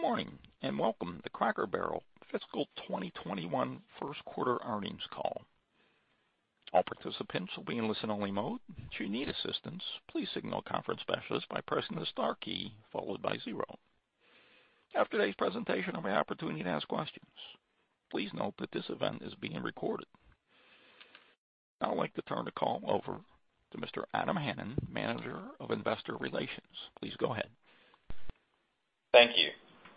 Good morning, and welcome to Cracker Barrel, fiscal 2021 first quarter earnings call. All participants will be in a listen-only mode. Should you need assistance, please signal a conference specialist by pressing the star key followed by zero. After today's presentation, there will be an opportunity to ask questions. Please note that this event is being recorded. Now I'd like to turn the call over to Mr. Adam Hanan, Manager of Investor Relations. Please go ahead. Thank you.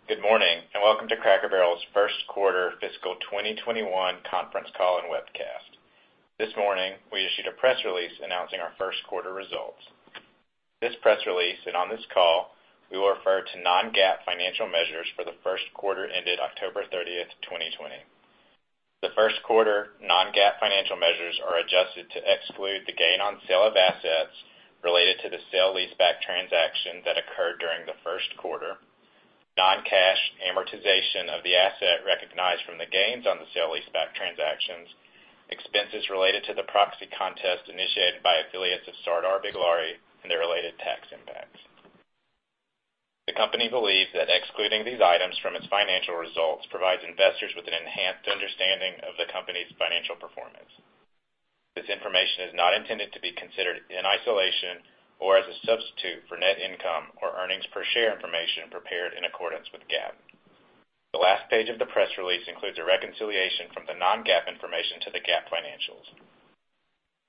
Good morning. Welcome to Cracker Barrel's first quarter fiscal 2021 conference call and webcast. This morning, we issued a press release announcing our first quarter results. This press release and on this call, we will refer to non-GAAP financial measures for the first quarter ended October 30th, 2020. The first quarter non-GAAP financial measures are adjusted to exclude the gain on sale of assets related to the sale-leaseback transaction that occurred during the first quarter, non-cash amortization of the asset recognized from the gains on the sale-leaseback transactions, expenses related to the proxy contest initiated by affiliates of Sardar Biglari and their related tax impacts. The company believes that excluding these items from its financial results provides investors with an enhanced understanding of the company's financial performance. This information is not intended to be considered in isolation or as a substitute for net income or earnings per share information prepared in accordance with GAAP. The last page of the press release includes a reconciliation from the non-GAAP information to the GAAP financials.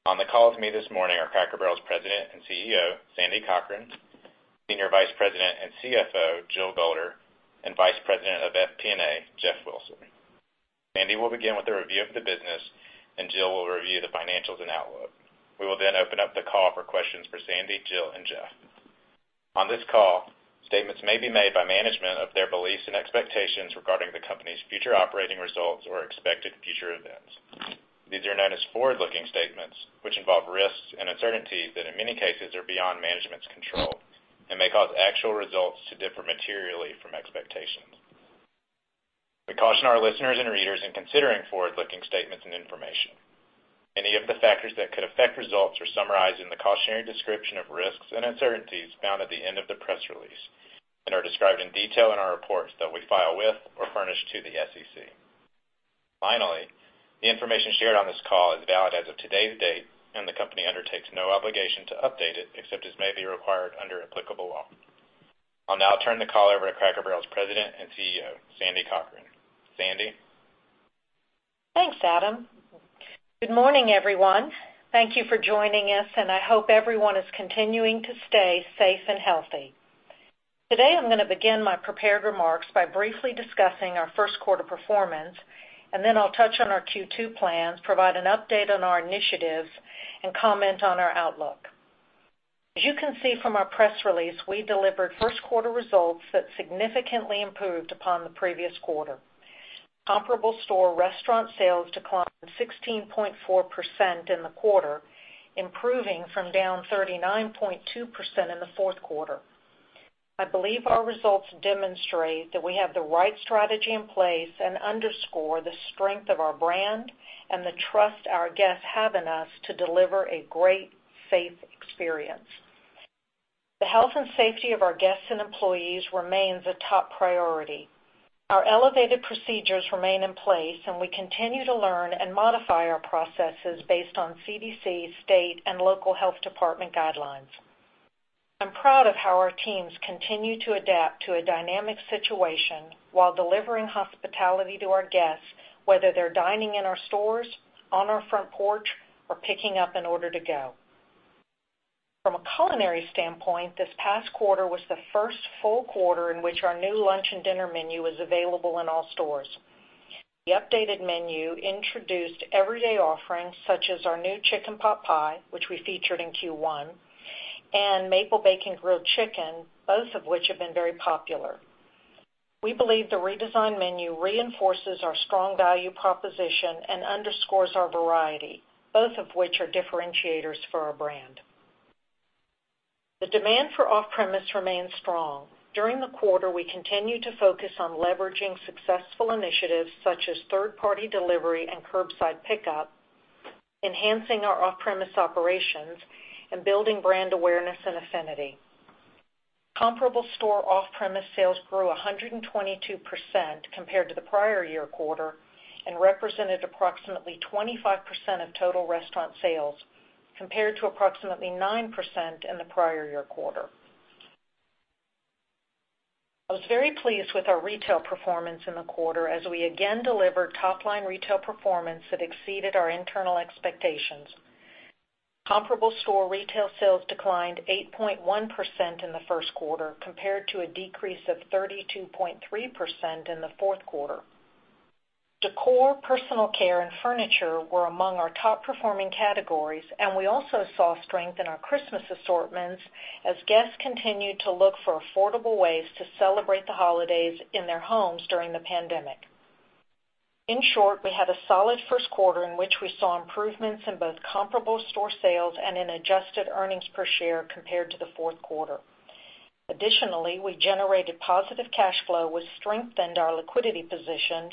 On the call with me this morning are Cracker Barrel's President and CEO, Sandy Cochran, Senior Vice President and CFO, Jill Golder, and Vice President of FP&A, Jeff Wilson. Sandy will begin with a review of the business, and Jill will review the financials and outlook. We will then open up the call for questions for Sandy, Jill, and Jeff. On this call, statements may be made by management of their beliefs and expectations regarding the company's future operating results or expected future events. These are known as forward-looking statements, which involve risks and uncertainties that in many cases are beyond management's control and may cause actual results to differ materially from expectations. We caution our listeners and readers in considering forward-looking statements and information. Many of the factors that could affect results are summarized in the cautionary description of risks and uncertainties found at the end of the press release and are described in detail in our reports that we file with or furnish to the SEC. Finally, the information shared on this call is valid as of today's date, and the company undertakes no obligation to update it, except as may be required under applicable law. I'll now turn the call over to Cracker Barrel's President and CEO, Sandy Cochran. Sandy? Thanks, Adam. Good morning, everyone. Thank you for joining us. I hope everyone is continuing to stay safe and healthy. Today, I'm going to begin my prepared remarks by briefly discussing our first quarter performance. Then I'll touch on our Q2 plans, provide an update on our initiatives, and comment on our outlook. As you can see from our press release, we delivered first quarter results that significantly improved upon the previous quarter. Comparable store restaurant sales declined 16.4% in the quarter, improving from down 39.2% in the fourth quarter. I believe our results demonstrate that we have the right strategy in place and underscore the strength of our brand and the trust our guests have in us to deliver a great, safe experience. The health and safety of our guests and employees remains a top priority. Our elevated procedures remain in place, and we continue to learn and modify our processes based on CDC, state, and local health department guidelines. I'm proud of how our teams continue to adapt to a dynamic situation while delivering hospitality to our guests, whether they're dining in our stores, on our front porch, or picking up an order to go. From a culinary standpoint, this past quarter was the first full quarter in which our new lunch and dinner menu was available in all stores. The updated menu introduced everyday offerings such as our new Chicken Pot Pie, which we featured in Q1, and Maple Bacon Grilled Chicken, both of which have been very popular. We believe the redesigned menu reinforces our strong value proposition and underscores our variety, both of which are differentiators for our brand. The demand for off-premise remains strong. During the quarter, we continued to focus on leveraging successful initiatives such as third-party delivery and curbside pickup, enhancing our off-premise operations, and building brand awareness and affinity. Comparable store off-premise sales grew 122% compared to the prior year quarter and represented approximately 25% of total restaurant sales, compared to approximately 9% in the prior year quarter. I was very pleased with our retail performance in the quarter as we again delivered top-line retail performance that exceeded our internal expectations. Comparable store retail sales declined 8.1% in the first quarter, compared to a decrease of 32.3% in the fourth quarter. Decor, personal care, and furniture were among our top performing categories, and we also saw strength in our Christmas assortments as guests continued to look for affordable ways to celebrate the holidays in their homes during the pandemic. In short, we had a solid first quarter in which we saw improvements in both comparable store sales and in adjusted earnings per share compared to the fourth quarter. Additionally, we generated positive cash flow, we strengthened our liquidity position,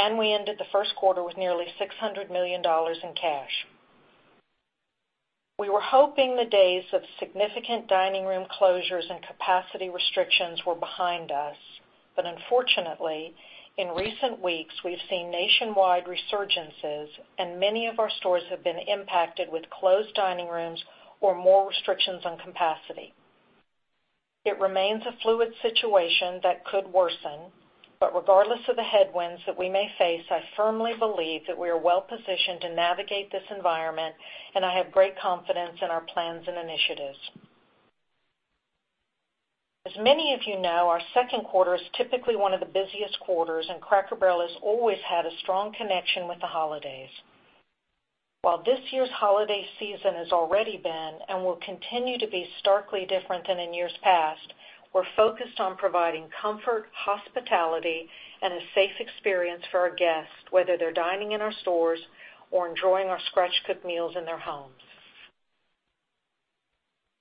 and we ended the first quarter with nearly $600 million in cash. We were hoping the days of significant dining room closures and capacity restrictions were behind us, but unfortunately, in recent weeks, we've seen nationwide resurgences and many of our stores have been impacted with closed dining rooms or more restrictions on capacity. It remains a fluid situation that could worsen, but regardless of the headwinds that we may face, I firmly believe that we are well positioned to navigate this environment, and I have great confidence in our plans and initiatives. As many of you know, our second quarter is typically one of the busiest quarters, and Cracker Barrel has always had a strong connection with the holidays. While this year's holiday season has already been and will continue to be starkly different than in years past, we're focused on providing comfort, hospitality, and a safe experience for our guests, whether they're dining in our stores or enjoying our scratch cook meals in their homes.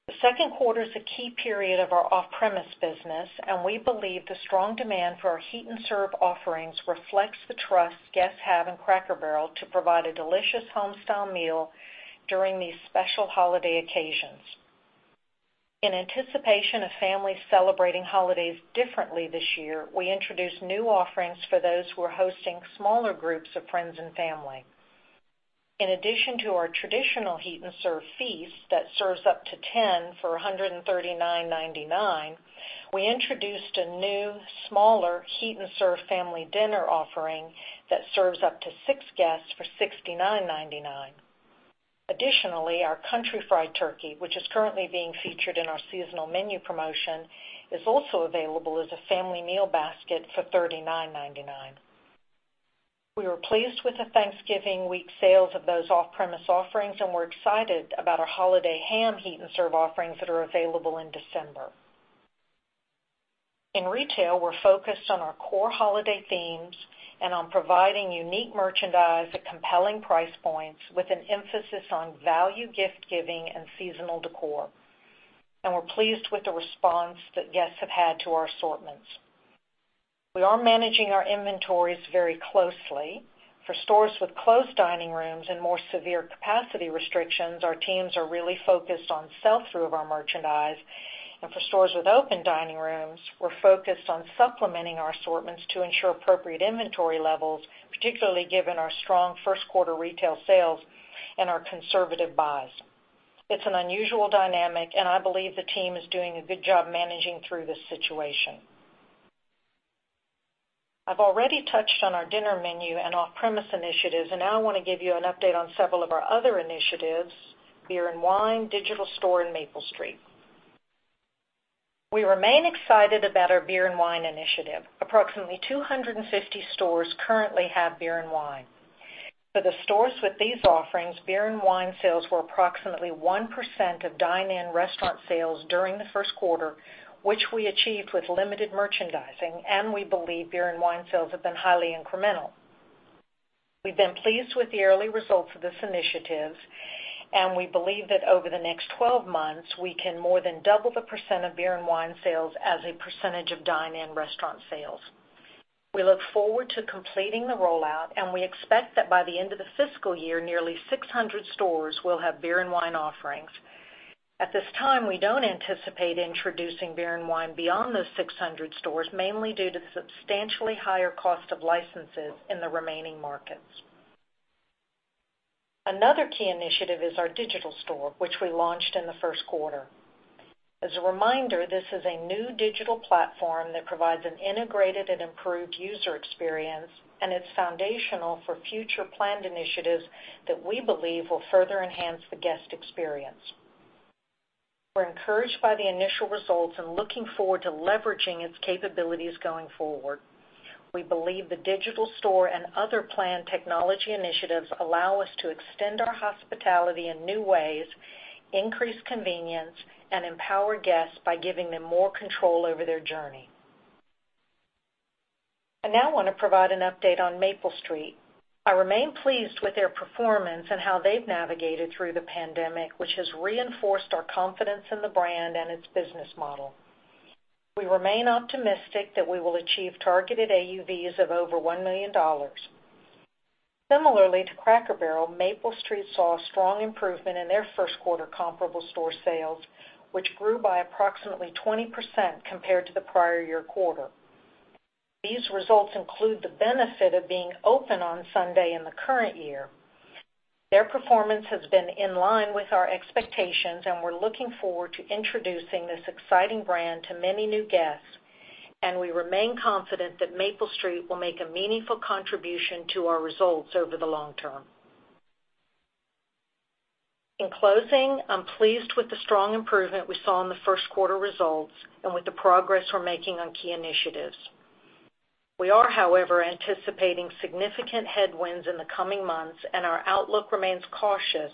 The second quarter is a key period of our off-premise business, and we believe the strong demand for our Heat n' Serve offerings reflects the trust guests have in Cracker Barrel to provide a delicious homestyle meal during these special holiday occasions. In anticipation of families celebrating holidays differently this year, we introduced new offerings for those who are hosting smaller groups of friends and family. In addition to our traditional Heat n' Serve Feast that serves up to 10 for $139.99, we introduced a new, smaller Heat n' Serve Family Dinner offering that serves up to six guests for $69.99. Additionally, our Country Fried Turkey, which is currently being featured in our seasonal menu promotion, is also available as a Family Meal Basket for $39.99. We were pleased with the Thanksgiving week sales of those off-premise offerings, and we're excited about our Holiday Ham Heat n' Serve offerings that are available in December. In retail, we're focused on our core holiday themes and on providing unique merchandise at compelling price points with an emphasis on value gift giving and seasonal decor. We're pleased with the response that guests have had to our assortments. We are managing our inventories very closely. For stores with closed dining rooms and more severe capacity restrictions, our teams are really focused on sell-through of our merchandise. For stores with open dining rooms, we're focused on supplementing our assortments to ensure appropriate inventory levels, particularly given our strong first quarter retail sales and our conservative buys. It's an unusual dynamic, and I believe the team is doing a good job managing through this situation. I've already touched on our dinner menu and off-premise initiatives, and now I want to give you an update on several of our other initiatives, beer and wine, Digital Store, and Maple Street. We remain excited about our beer and wine initiative. Approximately 250 stores currently have beer and wine. For the stores with these offerings, beer and wine sales were approximately 1% of dine-in restaurant sales during the first quarter, which we achieved with limited merchandising, and we believe beer and wine sales have been highly incremental. We've been pleased with the early results of this initiative, and we believe that over the next 12 months, we can more than double the percent of beer and wine sales as a percentage of dine-in restaurant sales. We look forward to completing the rollout, and we expect that by the end of the fiscal year, nearly 600 stores will have beer and wine offerings. At this time, we don't anticipate introducing beer and wine beyond those 600 stores, mainly due to the substantially higher cost of licenses in the remaining markets. Another key initiative is our Digital Store, which we launched in the first quarter. As a reminder, this is a new digital platform that provides an integrated and improved user experience. It's foundational for future planned initiatives that we believe will further enhance the guest experience. We're encouraged by the initial results. Looking forward to leveraging its capabilities going forward. We believe the Digital Store and other planned technology initiatives allow us to extend our hospitality in new ways, increase convenience, and empower guests by giving them more control over their journey. I now want to provide an update on Maple Street. I remain pleased with their performance and how they've navigated through the pandemic, which has reinforced our confidence in the brand and its business model. We remain optimistic that we will achieve targeted AUVs of over $1 million. Similarly to Cracker Barrel, Maple Street saw a strong improvement in their first quarter comparable store sales, which grew by approximately 20% compared to the prior year quarter. These results include the benefit of being open on Sunday in the current year. Their performance has been in line with our expectations, and we're looking forward to introducing this exciting brand to many new guests, and we remain confident that Maple Street will make a meaningful contribution to our results over the long term. In closing, I'm pleased with the strong improvement we saw in the first quarter results and with the progress we're making on key initiatives. We are, however, anticipating significant headwinds in the coming months, and our outlook remains cautious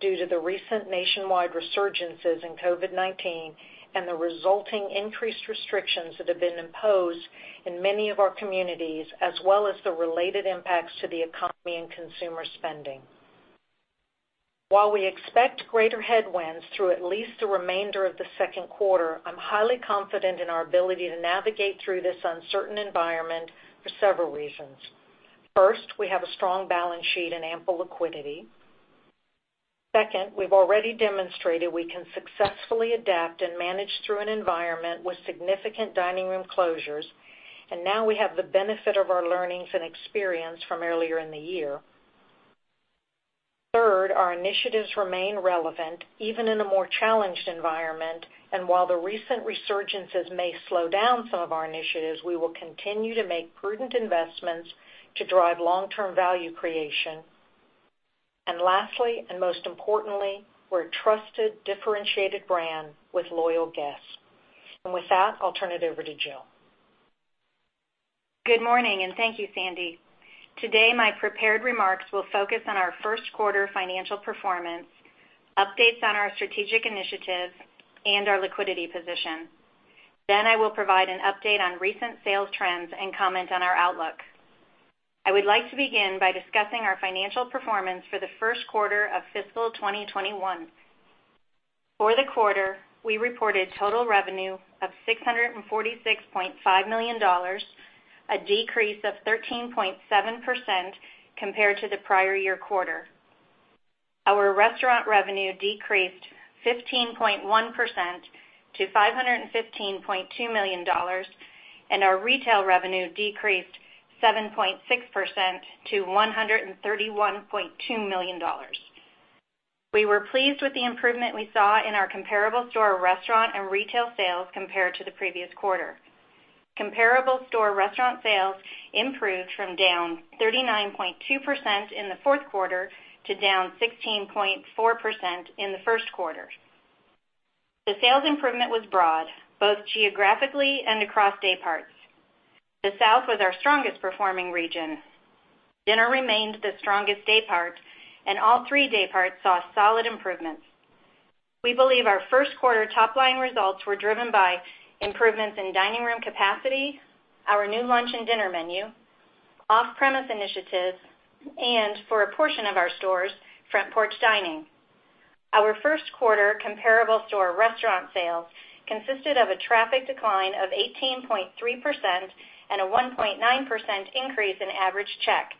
due to the recent nationwide resurgences in COVID-19 and the resulting increased restrictions that have been imposed in many of our communities, as well as the related impacts to the economy and consumer spending. While we expect greater headwinds through at least the remainder of the second quarter, I'm highly confident in our ability to navigate through this uncertain environment for several reasons. First, we have a strong balance sheet and ample liquidity. Second, we've already demonstrated we can successfully adapt and manage through an environment with significant dining room closures, and now we have the benefit of our learnings and experience from earlier in the year. Third, our initiatives remain relevant even in a more challenged environment. While the recent resurgences may slow down some of our initiatives, we will continue to make prudent investments to drive long-term value creation. Lastly, and most importantly, we're a trusted, differentiated brand with loyal guests. With that, I'll turn it over to Jill. Good morning, thank you, Sandy. Today, my prepared remarks will focus on our first quarter financial performance, updates on our strategic initiatives, and our liquidity position. Then I will provide an update on recent sales trends and comment on our outlook. I would like to begin by discussing our financial performance for the first quarter of fiscal 2021. For the quarter, we reported total revenue of $646.5 million, a decrease of 13.7% compared to the prior year quarter. Our restaurant revenue decreased 15.1% to $515.2 million, and our retail revenue decreased 7.6% to $131.2 million. We were pleased with the improvement we saw in our comparable store restaurant and retail sales compared to the previous quarter. Comparable store restaurant sales improved from down 39.2% in the fourth quarter to down 16.4% in the first quarter. The sales improvement was broad, both geographically and across day parts. The South was our strongest performing region. Dinner remained the strongest day part, and all three day parts saw solid improvements. We believe our first quarter top-line results were driven by improvements in dining room capacity, our new lunch and dinner menu, off-premise initiatives, and for a portion of our stores, front porch dining. Our first quarter comparable store restaurant sales consisted of a traffic decline of 18.3% and a 1.9% increase in average check,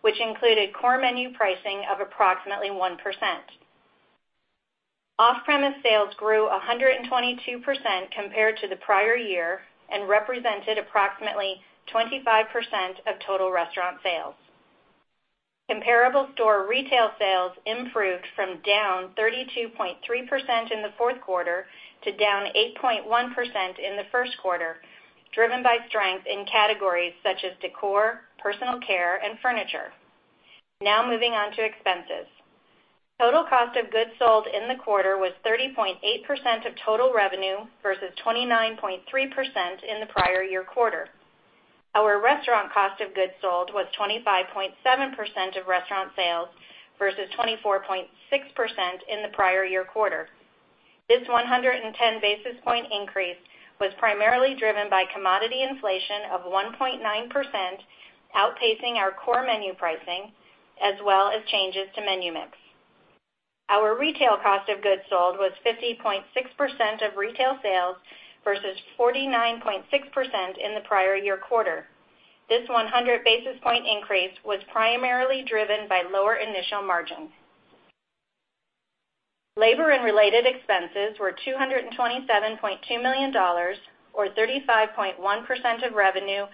which included core menu pricing of approximately 1%. Off-premise sales grew 122% compared to the prior year and represented approximately 25% of total restaurant sales. Comparable store retail sales improved from down 32.3% in the fourth quarter to down 8.1% in the first quarter, driven by strength in categories such as decor, personal care, and furniture. Now moving on to expenses. Total cost of goods sold in the quarter was 30.8% of total revenue versus 29.3% in the prior year quarter. Our restaurant cost of goods sold was 25.7% of restaurant sales versus 24.6% in the prior year quarter. This 110 basis point increase was primarily driven by commodity inflation of 1.9%, outpacing our core menu pricing, as well as changes to menu mix. Our retail cost of goods sold was 50.6% of retail sales versus 49.6% in the prior year quarter. This 100 basis point increase was primarily driven by lower initial margin. Labor and related expenses were $227.2 million or 35.1% of revenue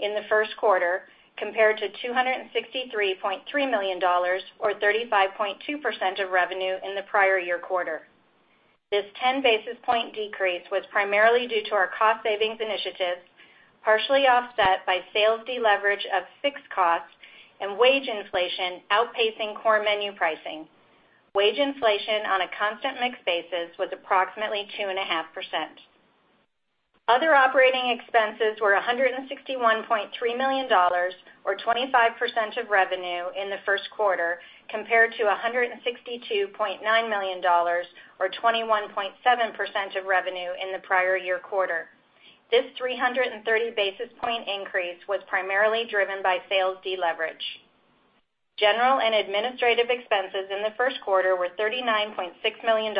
in the first quarter, compared to $263.3 million or 35.2% of revenue in the prior year quarter. This 10 basis point decrease was primarily due to our cost savings initiatives, partially offset by sales de-leverage of fixed costs and wage inflation outpacing core menu pricing. Wage inflation on a constant mix basis was approximately 2.5%. Other operating expenses were $161.3 million or 25% of revenue in the first quarter, compared to $162.9 million or 21.7% of revenue in the prior year quarter. This 330 basis point increase was primarily driven by sales de-leverage. General and administrative expenses in the first quarter were $39.6 million.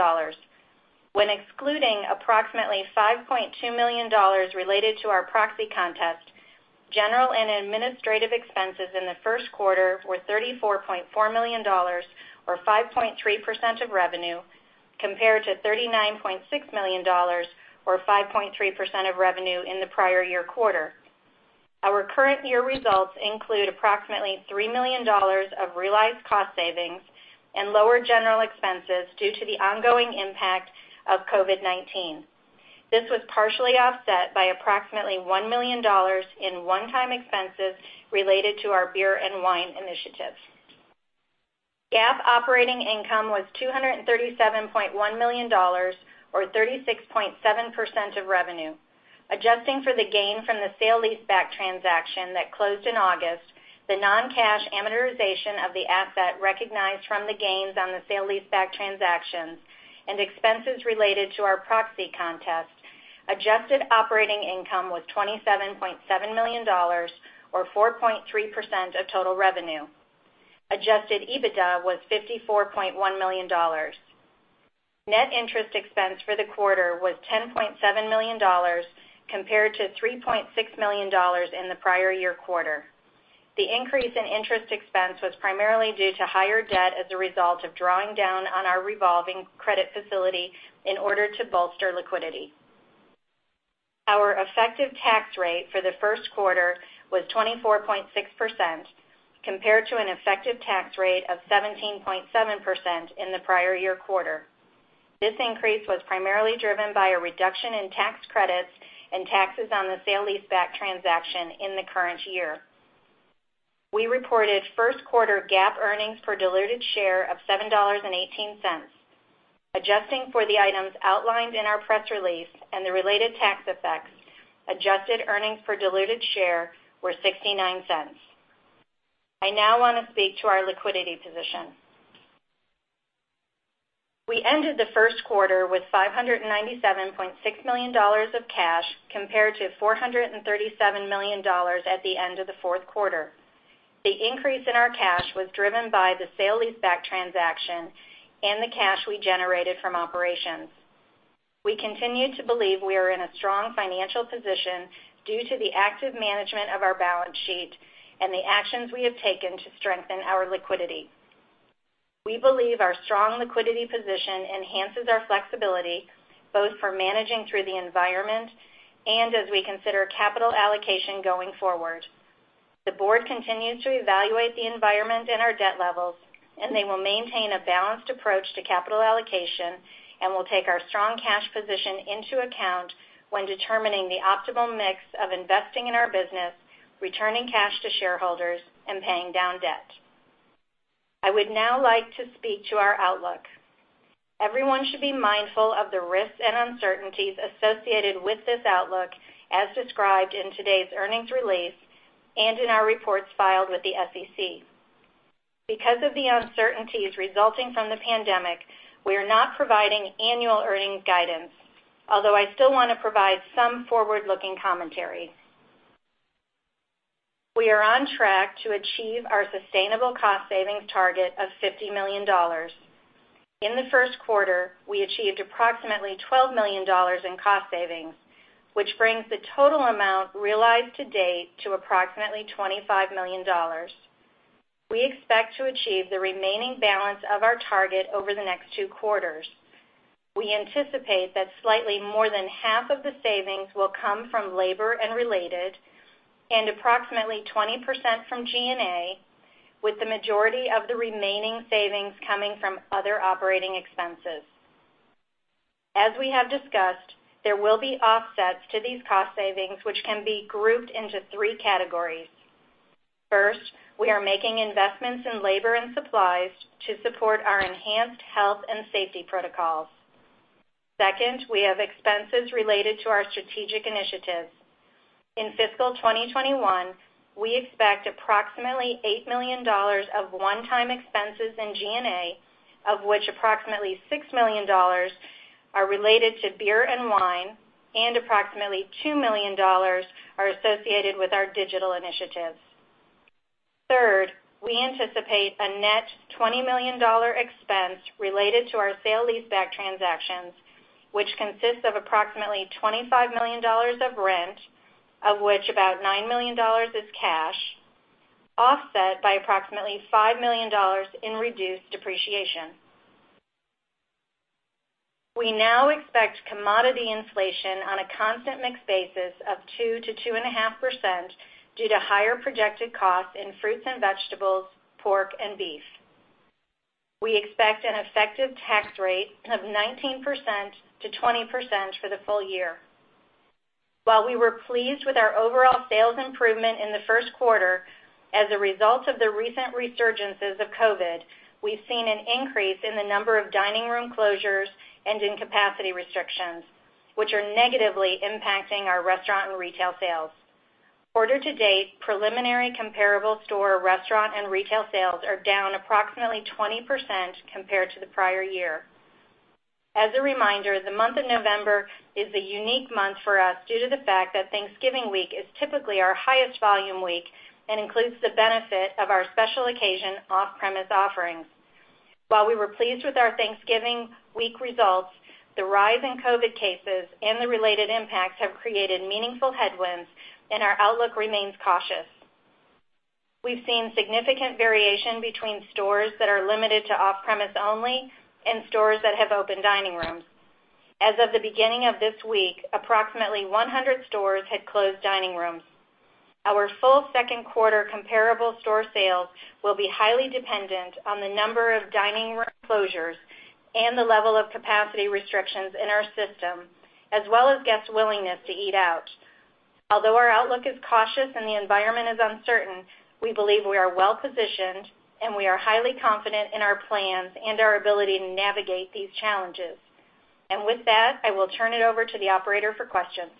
When excluding approximately $5.2 million related to our proxy contest, general and administrative expenses in the first quarter were $34.4 million or 5.3% of revenue, compared to $39.6 million or 5.3% of revenue in the prior year quarter. Our current year results include approximately $3 million of realized cost savings and lower general expenses due to the ongoing impact of COVID-19. This was partially offset by approximately $1 million in one-time expenses related to our beer and wine initiatives. GAAP operating income was $237.1 million or 36.7% of revenue. Adjusting for the gain from the sale-leaseback transaction that closed in August, the non-cash amortization of the asset recognized from the gains on the sale-leaseback transactions and expenses related to our proxy contest, Adjusted Operating Income was $27.7 million or 4.3% of total revenue. Adjusted EBITDA was $54.1 million. Net interest expense for the quarter was $10.7 million compared to $3.6 million in the prior year quarter. The increase in interest expense was primarily due to higher debt as a result of drawing down on our revolving credit facility in order to bolster liquidity. Our effective tax rate for the first quarter was 24.6%, compared to an effective tax rate of 17.7% in the prior year quarter. This increase was primarily driven by a reduction in tax credits and taxes on the sale-leaseback transaction in the current year. We reported first quarter GAAP earnings per diluted share of $7.18. Adjusting for the items outlined in our press release and the related tax effects, adjusted earnings per diluted share were $0.69. I now want to speak to our liquidity position. We ended the first quarter with $597.6 million of cash compared to $437 million at the end of the fourth quarter. The increase in our cash was driven by the sale-leaseback transaction and the cash we generated from operations. We continue to believe we are in a strong financial position due to the active management of our balance sheet and the actions we have taken to strengthen our liquidity. We believe our strong liquidity position enhances our flexibility, both for managing through the environment and as we consider capital allocation going forward. The board continues to evaluate the environment and our debt levels, and they will maintain a balanced approach to capital allocation and will take our strong cash position into account when determining the optimal mix of investing in our business, returning cash to shareholders, and paying down debt. I would now like to speak to our outlook. Everyone should be mindful of the risks and uncertainties associated with this outlook, as described in today's earnings release and in our reports filed with the SEC. Because of the uncertainties resulting from the pandemic, we are not providing annual earnings guidance, although I still want to provide some forward-looking commentary. We are on track to achieve our sustainable cost savings target of $50 million. In the first quarter, we achieved approximately $12 million in cost savings, which brings the total amount realized to date to approximately $25 million. We expect to achieve the remaining balance of our target over the next two quarters. We anticipate that slightly more than half of the savings will come from labor and related, and approximately 20% from G&A, with the majority of the remaining savings coming from other operating expenses. As we have discussed, there will be offsets to these cost savings, which can be grouped into three categories. First, we are making investments in labor and supplies to support our enhanced health and safety protocols. Second, we have expenses related to our strategic initiatives. In fiscal 2021, we expect approximately $8 million of one-time expenses in G&A, of which approximately $6 million are related to beer and wine, and approximately $2 million are associated with our digital initiatives. Third, we anticipate a net $20 million expense related to our sale-leaseback transactions, which consists of approximately $25 million of rent, of which about $9 million is cash, offset by approximately $5 million in reduced depreciation. We now expect commodity inflation on a constant mix basis of 2%-2.5% due to higher projected costs in fruits and vegetables, pork, and beef. We expect an effective tax rate of 19%-20% for the full year. While we were pleased with our overall sales improvement in the first quarter, as a result of the recent resurgences of COVID, we've seen an increase in the number of dining room closures and in capacity restrictions, which are negatively impacting our restaurant and retail sales. Quarter to date, preliminary comparable store restaurant and retail sales are down approximately 20% compared to the prior year. As a reminder, the month of November is a unique month for us due to the fact that Thanksgiving week is typically our highest volume week and includes the benefit of our special occasion off-premise offerings. While we were pleased with our Thanksgiving week results, the rise in COVID cases and the related impacts have created meaningful headwinds, and our outlook remains cautious. We've seen significant variation between stores that are limited to off-premise only and stores that have open dining rooms. As of the beginning of this week, approximately 100 stores had closed dining rooms. Our full second quarter comparable store sales will be highly dependent on the number of dining room closures and the level of capacity restrictions in our system, as well as guests' willingness to eat out. Although our outlook is cautious and the environment is uncertain, we believe we are well-positioned, and we are highly confident in our plans and our ability to navigate these challenges. With that, I will turn it over to the operator for questions.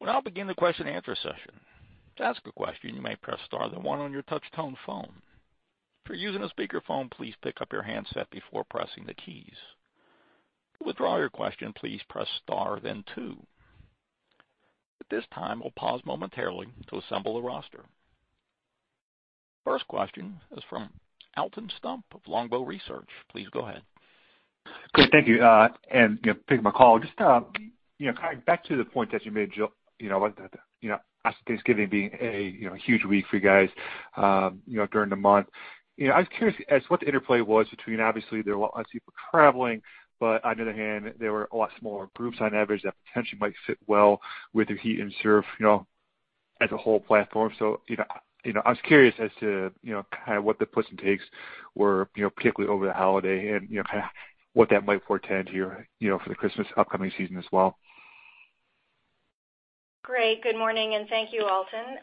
We now begin the question and answer session. To ask a question, you may press star then one on your touch tone phone. If you're using a speakerphone, please pick up your handset before pressing the keys. To withdraw your question, please press star then two. At this time, we'll pause momentarily to assemble the roster. First question is from Alton Stump of Longbow Research. Please go ahead. Great. Thank you, and thanks for taking my call. Kind of back to the point that you made, Jill, about Thanksgiving being a huge week for you guys during the month. I was curious as to what the interplay was between, obviously, there were a lot less people traveling, but on the other hand, there were a lot smaller groups on average that potentially might fit well with your Heat n' Serve as a whole platform. I was curious as to kind of what the gives and takes were, particularly over the holiday and kind of what that might portend here for the Christmas upcoming season as well. Great. Good morning. Thank you, Alton.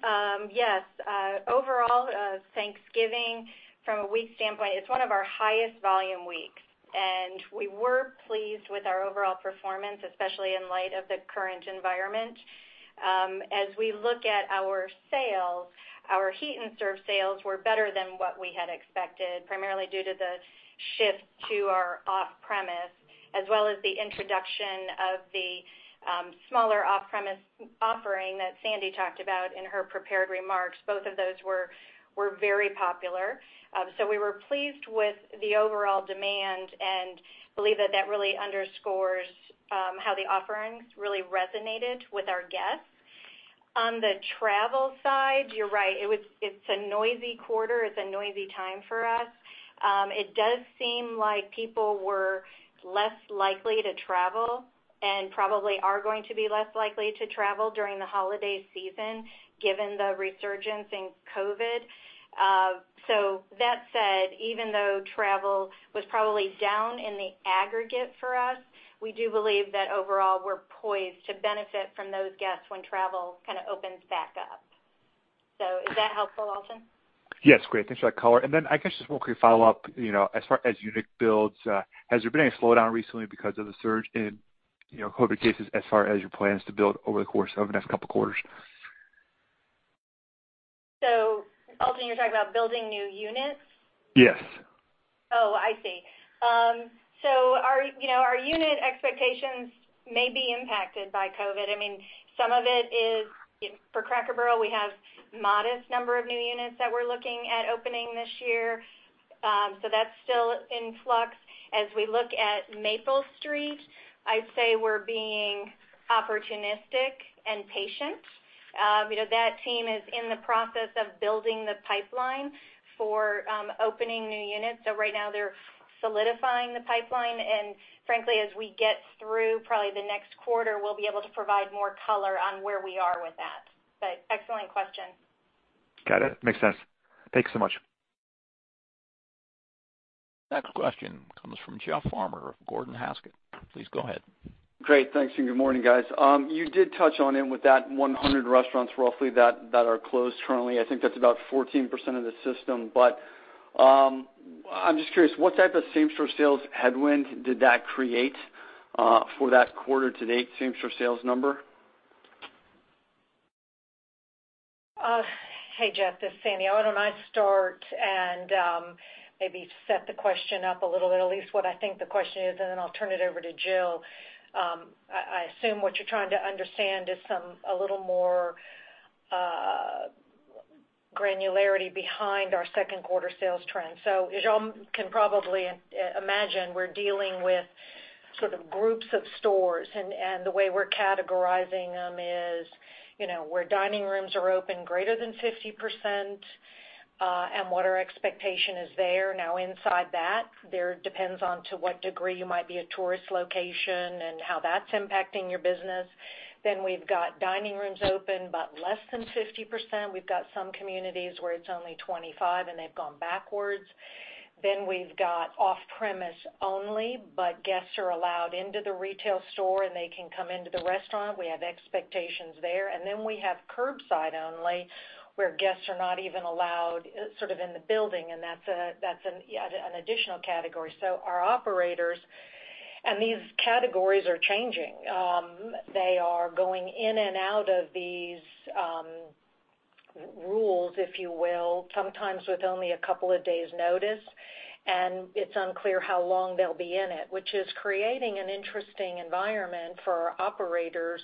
Overall, Thanksgiving, from a week standpoint, it's one of our highest volume weeks, and we were pleased with our overall performance, especially in light of the current environment. As we look at our sales, our Heat n' Serve sales were better than what we had expected, primarily due to the shift to our off-premise, as well as the introduction of the smaller off-premise offering that Sandy talked about in her prepared remarks. Both of those were very popular. We were pleased with the overall demand and believe that really underscores how the offerings really resonated with our guests. On the travel side, you're right. It's a noisy quarter. It's a noisy time for us. It does seem like people were less likely to travel and probably are going to be less likely to travel during the holiday season given the resurgence in COVID. That said, even though travel was probably down in the aggregate for us, we do believe that overall, we're poised to benefit from those guests when travel kind of opens back up. Is that helpful, Alton? Yes. Great. Thanks for that color. I guess just one quick follow-up. As far as unit builds, has there been any slowdown recently because of the surge in COVID cases as far as your plans to build over the course of the next couple of quarters? Alton, you're talking about building new units? Yes. I see. Our unit expectations may be impacted by COVID. For Cracker Barrel, we have modest number of new units that we're looking at opening this year. That's still in flux. As we look at Maple Street, I'd say we're being opportunistic and patient. That team is in the process of building the pipeline for opening new units. Right now, they're solidifying the pipeline, and frankly, as we get through probably the next quarter, we'll be able to provide more color on where we are with that. Excellent question. Got it. Makes sense. Thank you so much. Next question comes from Jeff Farmer of Gordon Haskett. Please go ahead. Great. Thanks, good morning, guys. You did touch on it with that 100 restaurants roughly that are closed currently. I think that's about 14% of the system. I'm just curious, what type of same-store sales headwind did that create for that quarter to date same-store sales number? Hey, Jeff, this is Sandy. Why don't I start and maybe set the question up a little bit, at least what I think the question is, and then I'll turn it over to Jill. I assume what you're trying to understand is a little more granularity behind our second quarter sales trends. As y'all can probably imagine, we're dealing with sort of groups of stores, and the way we're categorizing them is where dining rooms are open greater than 50%, and what our expectation is there. Inside that, there depends on to what degree you might be a tourist location and how that's impacting your business. We've got dining rooms open, but less than 50%. We've got some communities where it's only 25% and they've gone backwards. We've got off-premise only, but guests are allowed into the retail store, and they can come into the restaurant. We have expectations there. We have curbside only, where guests are not even allowed sort of in the building, and that's an additional category. Our operators, and these categories are changing. They are going in and out of these rules, if you will, sometimes with only a couple of days notice, and it's unclear how long they'll be in it, which is creating an interesting environment for our operators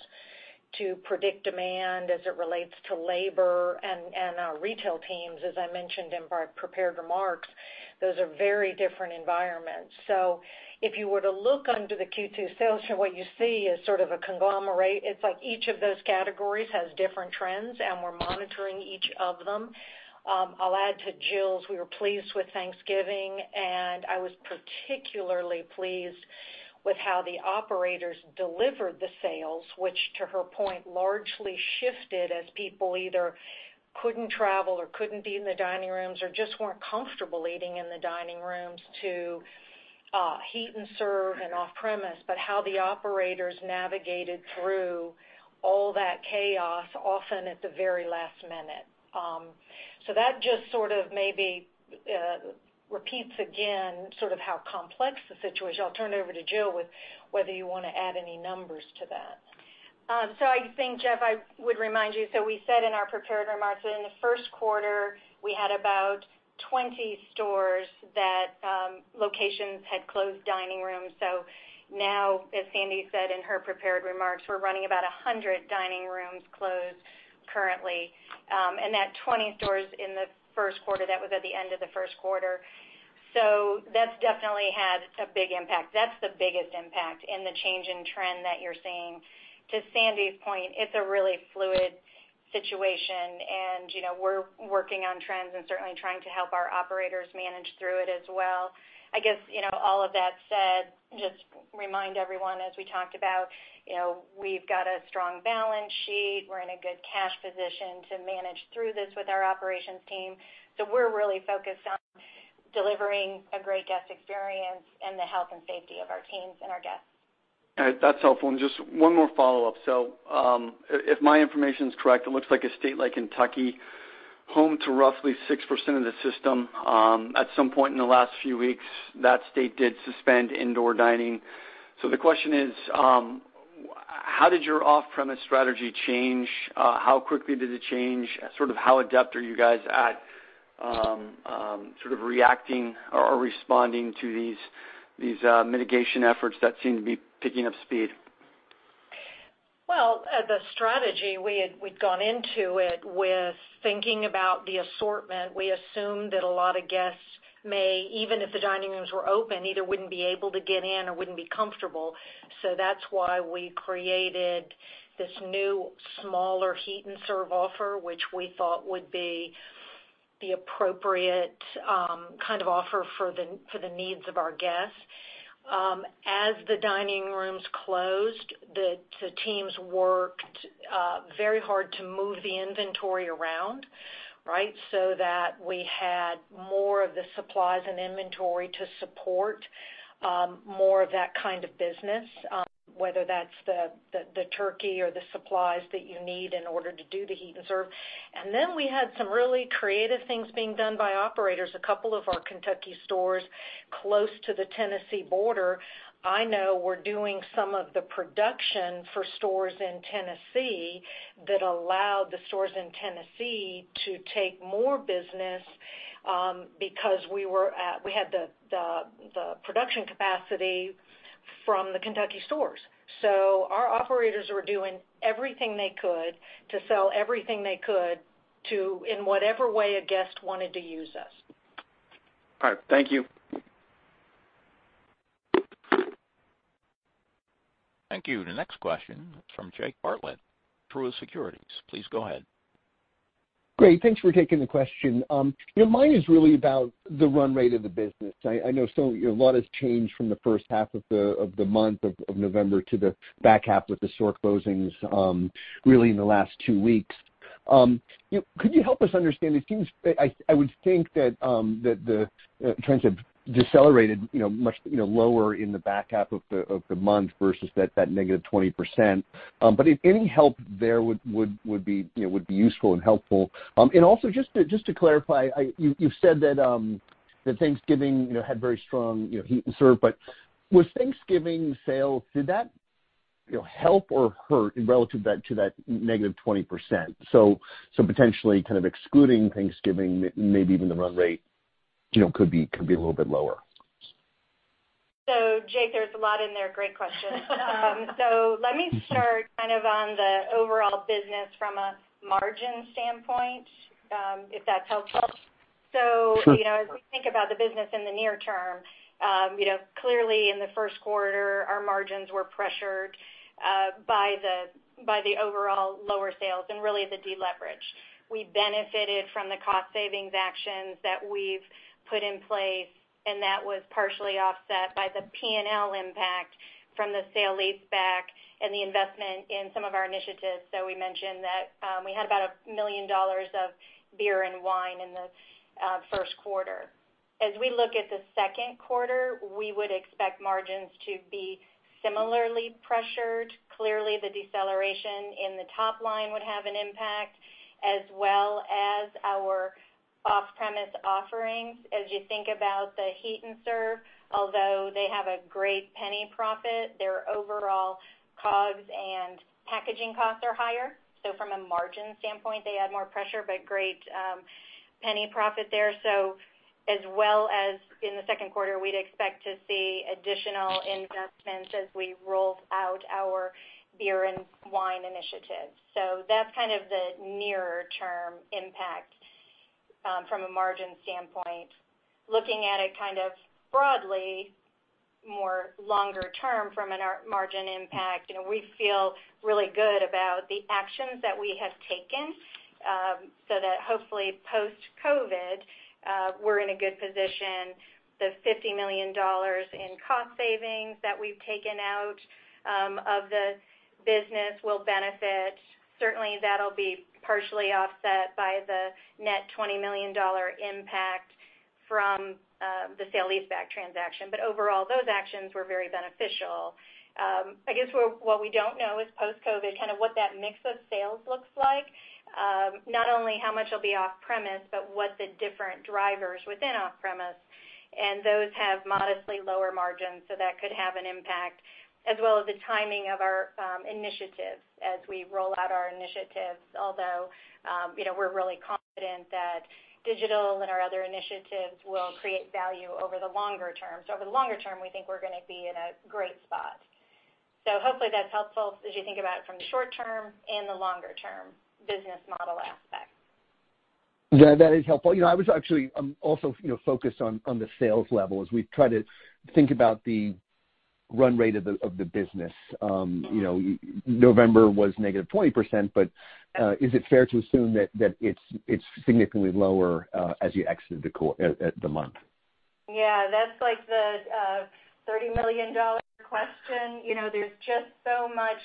to predict demand as it relates to labor and our retail teams, as I mentioned in my prepared remarks. Those are very different environments. If you were to look under the Q2 sales, what you see is sort of a conglomerate. It's like each of those categories has different trends, and we're monitoring each of them. I'll add to Jill's. We were pleased with Thanksgiving, and I was particularly pleased with how the operators delivered the sales, which to her point, largely shifted as people either couldn't travel or couldn't be in the dining rooms or just weren't comfortable eating in the dining rooms to Heat n' Serve and off-premise. How the operators navigated through all that chaos, often at the very last minute. That just sort of maybe repeats again sort of how complex the situation. I'll turn it over to Jill with whether you want to add any numbers to that. I think, Jeff, I would remind you, we said in our prepared remarks that in the first quarter, we had about 20 stores that locations had closed dining rooms. Now, as Sandy said in her prepared remarks, we're running about 100 dining rooms closed currently. That 20 stores in the first quarter, that was at the end of the first quarter. That's definitely had a big impact. That's the biggest impact in the change in trend that you're seeing. To Sandy's point, it's a really fluid situation, and we're working on trends and certainly trying to help our operators manage through it as well. I guess, all of that said, just remind everyone, as we talked about, we've got a strong balance sheet. We're in a good cash position to manage through this with our operations team. We're really focused on delivering a great guest experience and the health and safety of our teams and our guests. All right. That's helpful. Just one more follow-up. If my information is correct, it looks like a state like Kentucky, home to roughly 6% of the system, at some point in the last few weeks, that state did suspend indoor dining. The question is, how did your off-premise strategy change? How quickly did it change? Sort of how adept are you guys at sort of reacting or responding to these mitigation efforts that seem to be picking up speed? Well, the strategy, we'd gone into it with thinking about the assortment. We assumed that a lot of guests may, even if the dining rooms were open, either wouldn't be able to get in or wouldn't be comfortable. That's why we created this new smaller Heat n' Serve offer, which we thought would be the appropriate kind of offer for the needs of our guests. As the dining rooms closed, the teams worked very hard to move the inventory around, right, so that we had more of the supplies and inventory to support more of that kind of business, whether that's the turkey or the supplies that you need in order to do the Heat n' Serve. We had some really creative things being done by operators. A couple of our Kentucky stores close to the Tennessee border, I know were doing some of the production for stores in Tennessee that allowed the stores in Tennessee to take more business because we had the production capacity from the Kentucky stores. Our operators were doing everything they could to sell everything they could in whatever way a guest wanted to use us. All right. Thank you. Thank you. The next question is from Jake Bartlett, Truist Securities. Please go ahead. Great. Thanks for taking the question. Mine is really about the run rate of the business. I know a lot has changed from the first half of the month of November to the back half with the store closings really in the last two weeks. Could you help us understand, I would think that the trends have decelerated much lower in the back half of the month versus that -20%. Any help there would be useful and helpful. Also, just to clarify, you've said that Thanksgiving had very strong Heat n' Serve, but was Thanksgiving sales, did that help or hurt relative to that -20%? Potentially kind of excluding Thanksgiving, maybe even the run rate could be a little bit lower. Jake, there's a lot in there. Great question. Let me start kind of on the overall business from a margin standpoint, if that's helpful. Sure. As we think about the business in the near term, clearly in the first quarter, our margins were pressured by the overall lower sales and really the deleverage. We benefited from the cost savings actions that we've put in place, and that was partially offset by the P&L impact from the sale-leaseback and the investment in some of our initiatives. We mentioned that we had about $1 million of beer and wine in the first quarter. As we look at the second quarter, we would expect margins to be similarly pressured. Clearly, the deceleration in the top line would have an impact, as well as our off-premise offerings. As you think about the Heat n' Serve, although they have a great penny profit, their overall COGS and packaging costs are higher. From a margin standpoint, they add more pressure, but great penny profit there. As well as in the second quarter, we'd expect to see additional investments as we rolled out our beer and wine initiatives. That's kind of the nearer term impact from a margin standpoint. Looking at it kind of broadly, more longer term from a margin impact, we feel really good about the actions that we have taken, so that hopefully post-COVID, we're in a good position. The $50 million in cost savings that we've taken out of the business will benefit. Certainly, that'll be partially offset by the net $20 million impact from the sale-leaseback transaction. Overall, those actions were very beneficial. I guess what we don't know is post-COVID, kind of what that mix of sales looks like. Not only how much will be off-premise, but what the different drivers within off-premise. Those have modestly lower margins, so that could have an impact, as well as the timing of our initiatives as we roll out our initiatives. We're really confident that digital and our other initiatives will create value over the longer term. Over the longer term, we think we're going to be in a great spot. Hopefully that's helpful as you think about it from the short term and the longer-term business model aspect. Yeah, that is helpful. I was actually also focused on the sales level as we try to think about the run rate of the business. November was -20%, but is it fair to assume that it's significantly lower as you exit the month? Yeah. That's like the $30 million question. There's just so much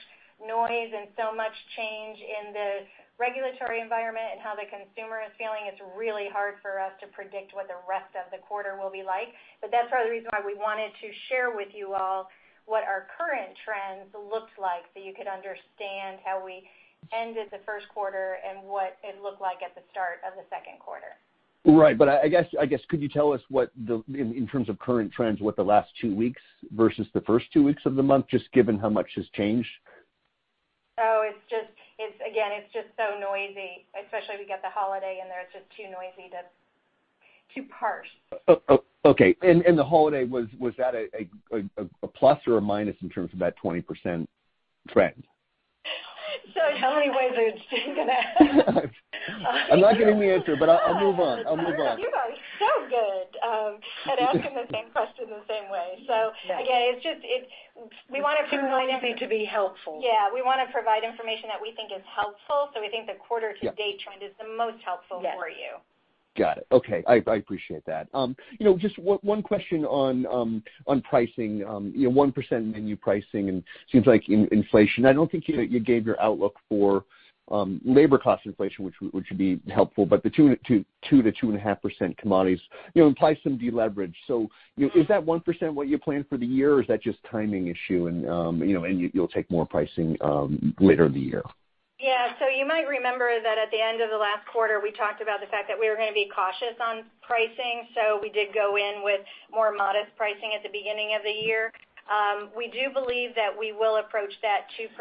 noise and so much change in the regulatory environment and how the consumer is feeling. It's really hard for us to predict what the rest of the quarter will be like. That's part of the reason why we wanted to share with you all what our current trends looked like so you could understand how we ended the first quarter and what it looked like at the start of the second quarter. Right. I guess, could you tell us in terms of current trends, what the last two weeks versus the first two weeks of the month, just given how much has changed? Again, it's just so noisy. Especially we get the holiday in there, it's just too noisy to parse. Okay. The holiday, was that a plus or a minus in terms of that 20% trend? How many ways are you going to ask? I'm not getting the answer, but I'll move on. You guys are so good at asking the same question the same way. It's too noisy to be helpful. Yeah. We want to provide information that we think is helpful. We think the quarter to date trend is the most helpful for you. Yes. Got it. Okay. I appreciate that. Just one question on pricing. 1% menu pricing and seems like inflation. I don't think you gave your outlook for labor cost inflation, which would be helpful, but the 2%-2.5% commodities implies some deleverage. Is that 1% what you plan for the year, or is that just timing issue and you'll take more pricing later in the year? Yeah. You might remember that at the end of the last quarter, we talked about the fact that we were going to be cautious on pricing. We did go in with more modest pricing at the beginning of the year. We do believe that we will approach that 2%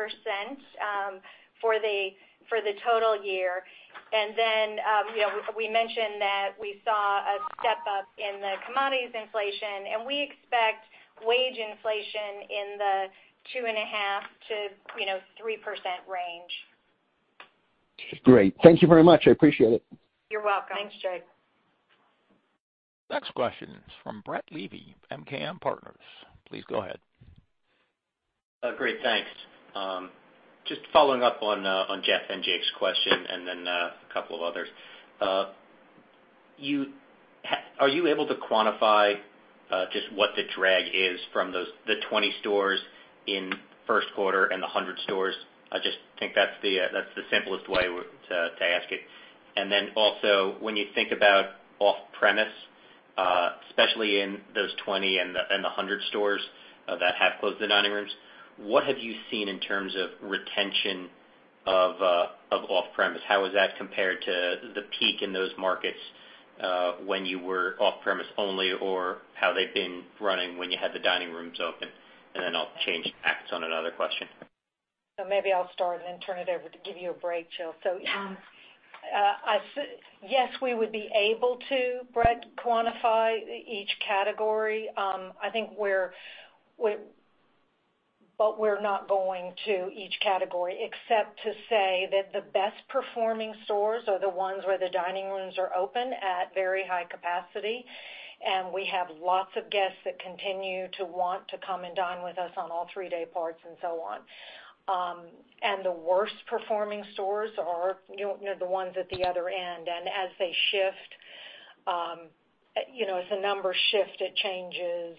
for the total year. We mentioned that we saw a step up in the commodities inflation, and we expect wage inflation in the 2.5%-3% range. Great. Thank you very much. I appreciate it. You're welcome. Thanks, Jake. Next question is from Brett Levy, MKM Partners. Please go ahead. Great. Thanks. Just following up on Jeff and Jake's question and then a couple of others. Are you able to quantify just what the drag is from the 20 stores in first quarter and the 100 stores? I just think that's the simplest way to ask it. Also, when you think about off-premise, especially in those 20 and the 100 stores that have closed the dining rooms, what have you seen in terms of retention of off-premise? How has that compared to the peak in those markets when you were off-premise only, or how they've been running when you had the dining rooms open? I'll change tacks on another question. Maybe I'll start and then turn it over to give you a break, Jill. Yes, we would be able to, Brett, quantify each category. We're not going to each category except to say that the best performing stores are the ones where the dining rooms are open at very high capacity, and we have lots of guests that continue to want to come and dine with us on all three dayparts and so on. The worst performing stores are the ones at the other end. As they shift, as the numbers shift, it changes.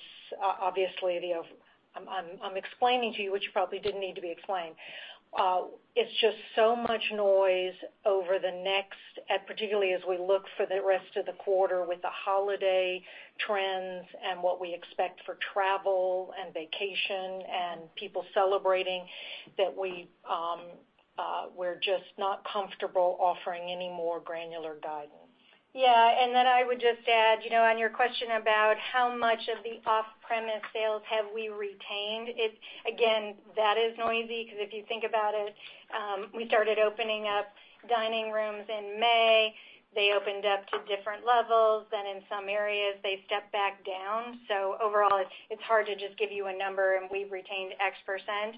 Obviously, I'm explaining to you what you probably didn't need to be explained. It's just so much noise over the next, and particularly as we look for the rest of the quarter with the holiday trends and what we expect for travel and vacation and people celebrating, that we're just not comfortable offering any more granular guidance. Yeah. I would just add, on your question about how much of the off-premise sales have we retained. Again, that is noisy because if you think about it, we started opening up dining rooms in May. They opened up to different levels, in some areas they stepped back down. Overall, it's hard to just give you a number and we've retained x%.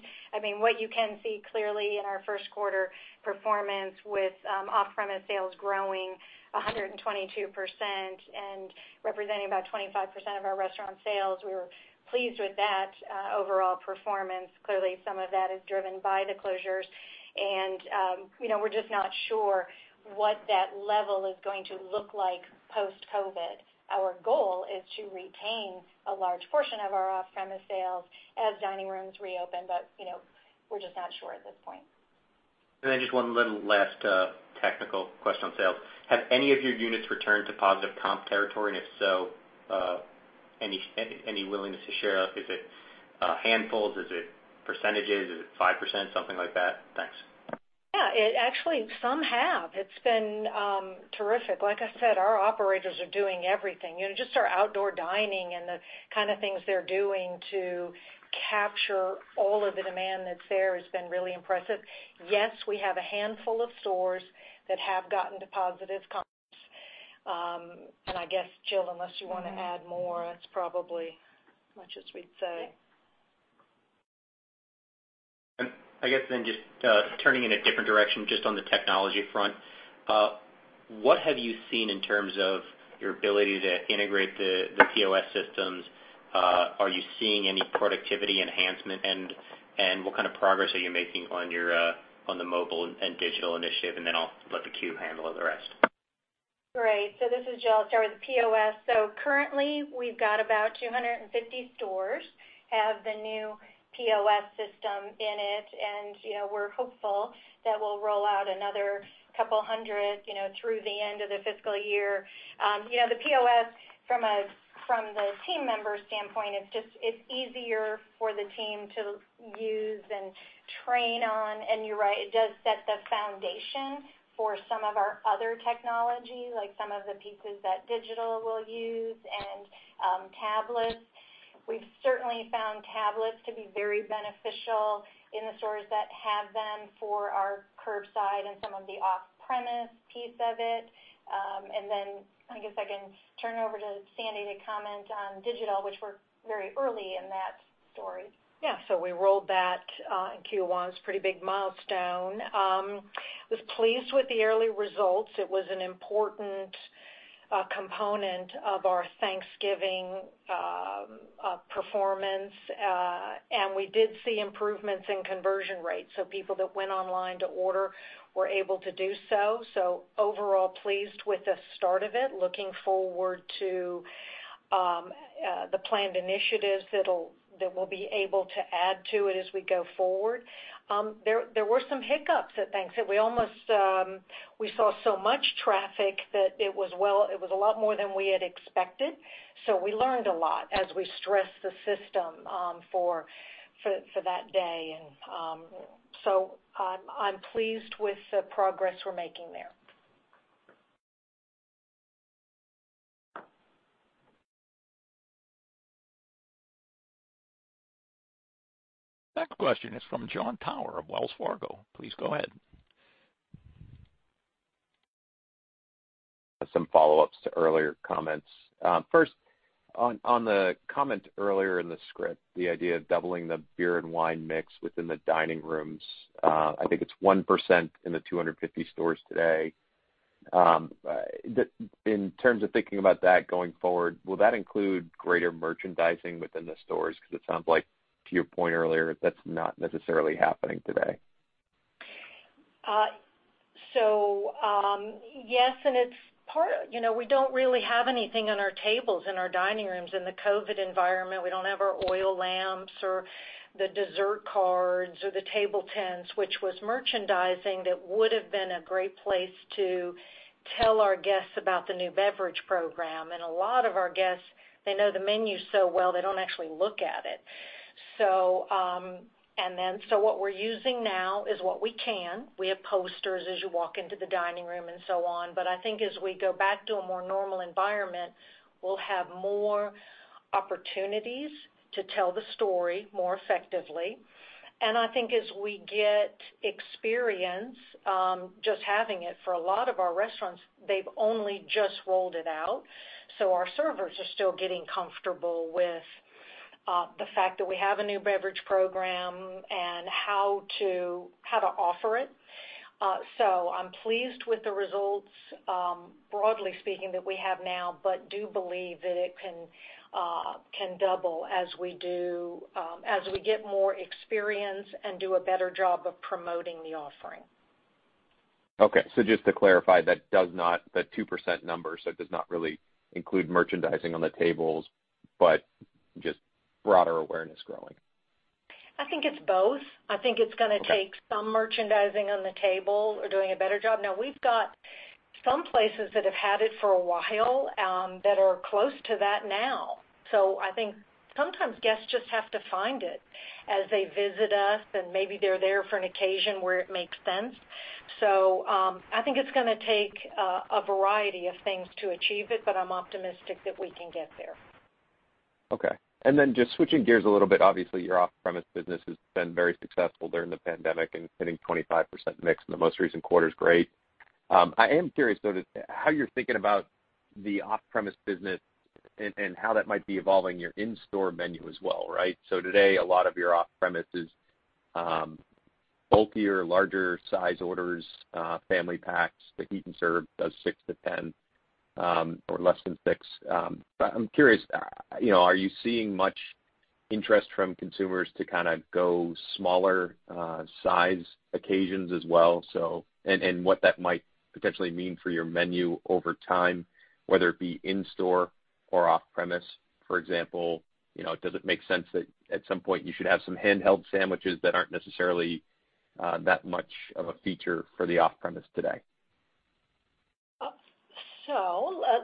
What you can see clearly in our first quarter performance with off-premise sales growing 122% and representing about 25% of our restaurant sales, we were pleased with that overall performance. Clearly, some of that is driven by the closures, and we're just not sure what that level is going to look like post-COVID. Our goal is to retain a large portion of our off-premise sales as dining rooms reopen, we're just not sure at this point. Just one little last technical question on sales. Have any of your units returned to positive comp territory? If so, any willingness to share? Is it handfuls? Is it percentages? Is it 5%, something like that? Thanks. Yeah. Actually, some have. It's been terrific. Like I said, our operators are doing everything. Just our outdoor dining and the kind of things they're doing to capture all of the demand that's there has been really impressive. Yes, we have a handful of stores that have gotten to positive comps. I guess, Jill, unless you want to add more, that's probably much as we'd say. I guess then just turning in a different direction, just on the technology front. What have you seen in terms of your ability to integrate the POS systems? Are you seeing any productivity enhancement, and what kind of progress are you making on the mobile and digital initiative? Then I'll let the queue handle the rest. Great. This is Jill. I'll start with POS. Currently we've got about 250 stores have the new POS system in it, and we're hopeful that we'll roll out another couple of hundred through the end of the fiscal year. The POS from the team member standpoint, it's easier for the team to use and train on. You're right, it does set the foundation for some of our other technology, like some of the pieces that digital will use and tablets. We've certainly found tablets to be very beneficial in the stores that have them for our curbside and some of the off-premise piece of it. I guess I can turn over to Sandy to comment on digital, which we're very early in that story. Yeah. We rolled that in Q1. It's a pretty big milestone. We were pleased with the early results. It was an important component of our Thanksgiving performance. We did see improvements in conversion rates. People that went online to order were able to do so. Overall, we are pleased with the start of it. We are looking forward to the planned initiatives that we'll be able to add to it as we go forward. There were some hiccups at Thanksgiving. We saw so much traffic that it was a lot more than we had expected. We learned a lot as we stressed the system for that day. I'm pleased with the progress we're making there. Next question is from Jon Tower of Wells Fargo. Please go ahead. Some follow-ups to earlier comments. First, on the comment earlier in the script, the idea of doubling the beer and wine mix within the dining rooms. I think it's 1% in the 250 stores today. In terms of thinking about that going forward, will that include greater merchandising within the stores? It sounds like, to your point earlier, that's not necessarily happening today. Yes, and we don't really have anything on our tables in our dining rooms in the COVID environment. We don't have our oil lamps or the dessert cards or the table tents, which was merchandising that would have been a great place to tell our guests about the new beverage program. A lot of our guests, they know the menu so well, they don't actually look at it. What we're using now is what we can. We have posters as you walk into the dining room and so on. I think as we go back to a more normal environment, we'll have more opportunities to tell the story more effectively. I think as we get experience, just having it for a lot of our restaurants, they've only just rolled it out. Our servers are still getting comfortable with the fact that we have a new beverage program and how to offer it. I'm pleased with the results, broadly speaking, that we have now, but do believe that it can double as we get more experience and do a better job of promoting the offering. Just to clarify, that 2% number, it does not really include merchandising on the tables, but just broader awareness growing. I think it's both. I think it's going to take some merchandising on the table or doing a better job. We've got some places that have had it for a while that are close to that now. I think sometimes guests just have to find it as they visit us, and maybe they're there for an occasion where it makes sense. I think it's going to take a variety of things to achieve it, but I'm optimistic that we can get there. Okay. Just switching gears a little bit, obviously, your off-premise business has been very successful during the pandemic and hitting 25% mix in the most recent quarter is great. I am curious though how you're thinking about the off-premise business and how that might be evolving your in-store menu as well, right? Today, a lot of your off-premise is bulkier, larger size orders, family packs. The Heat n' Serve does 6%-10% or less than 6%. I'm curious, are you seeing much interest from consumers to kind of go smaller size occasions as well? What that might potentially mean for your menu over time, whether it be in-store or off-premise. For example, does it make sense that at some point you should have some handheld sandwiches that aren't necessarily that much of a feature for the off-premise today?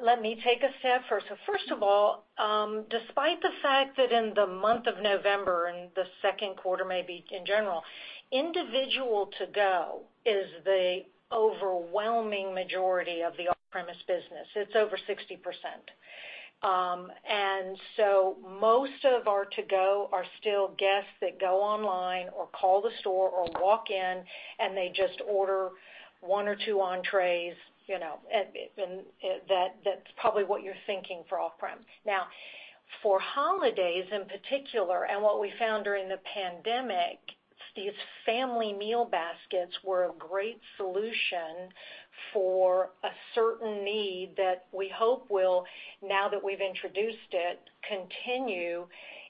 Let me take a stab first. First of all, despite the fact that in the month of November, and the second quarter maybe in general, individual to-go is the overwhelming majority of the off-premise business. It's over 60%. Most of our to-go are still guests that go online or call the store or walk in, and they just order one or two entrees. That's probably what you're thinking for off-prem. For holidays in particular, and what we found during the pandemic, these Family Meal Baskets were a great solution for a certain need that we hope will, now that we've introduced it, continue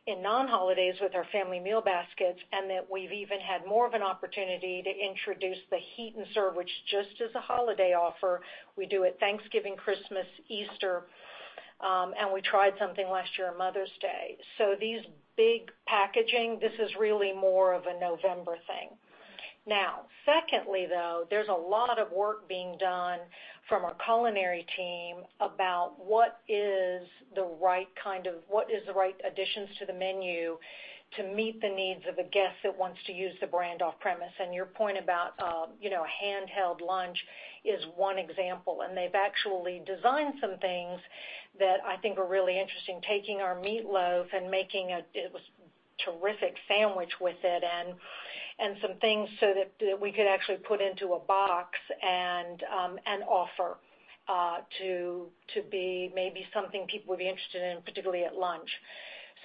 in non-holidays with our Family Meal Baskets, and that we've even had more of an opportunity to introduce the Heat n' Serve, which just is a holiday offer. We do it Thanksgiving, Christmas, Easter, and we tried something last year on Mother's Day. These big packaging, this is really more of a November thing. Now, secondly, though, there's a lot of work being done from our culinary team about what is the right additions to the menu to meet the needs of a guest that wants to use the brand off-premise. Your point about a handheld lunch is one example. They've actually designed some things that I think are really interesting, taking our meatloaf and making a terrific sandwich with it and some things so that we could actually put into a box and offer to be maybe something people would be interested in, particularly at lunch.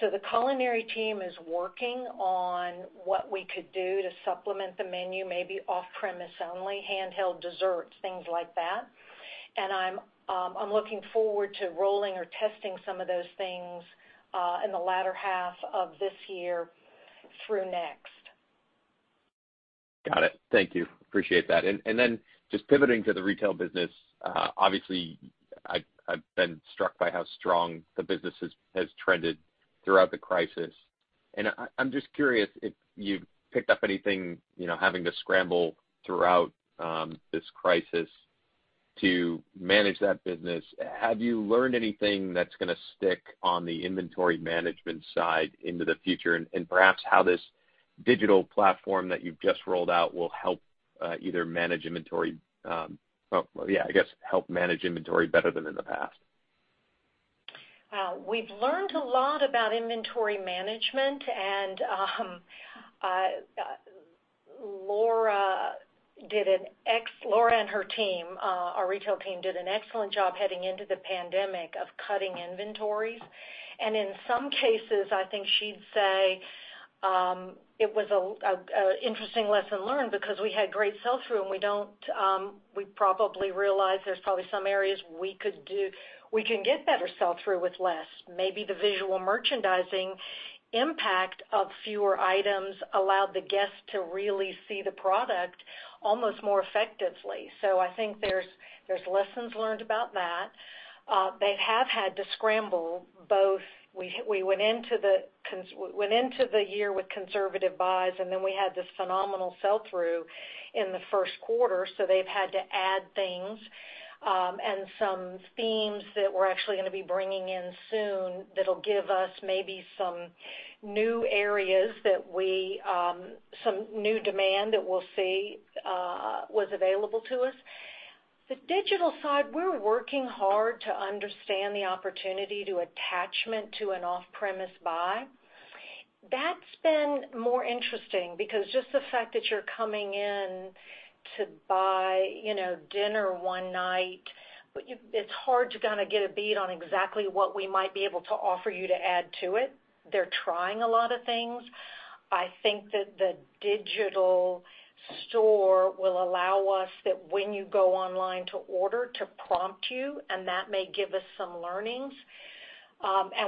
The culinary team is working on what we could do to supplement the menu, maybe off-premise only, handheld desserts, things like that. I'm looking forward to rolling or testing some of those things in the latter half of this year through next. Got it. Thank you. Appreciate that. Then just pivoting to the retail business. Obviously, I've been struck by how strong the business has trended throughout the crisis. I'm just curious if you've picked up anything, having to scramble throughout this crisis to manage that business. Have you learned anything that's going to stick on the inventory management side into the future? Perhaps how this digital platform that you've just rolled out will help either manage inventory better than in the past? We've learned a lot about inventory management. Laura and her team, our retail team, did an excellent job heading into the pandemic of cutting inventories. In some cases, I think she'd say it was an interesting lesson learned because we had great sell-through, and we probably realized there's probably some areas we can get better sell-through with less. Maybe the visual merchandising impact of fewer items allowed the guest to really see the product almost more effectively. I think there's lessons learned about that. They have had to scramble both. We went into the year with conservative buys, and then we had this phenomenal sell-through in the first quarter, so they've had to add things. Some themes that we're actually going to be bringing in soon that'll give us maybe some new demand that we'll see was available to us. The digital side, we're working hard to understand the opportunity to attachment to an off-premise buy. That's been more interesting because just the fact that you're coming in to buy dinner one night, it's hard to get a bead on exactly what we might be able to offer you to add to it. They're trying a lot of things. I think that the Digital Store will allow us that when you go online to order to prompt you, and that may give us some learnings.